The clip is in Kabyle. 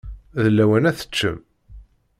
D lawan ad teččem.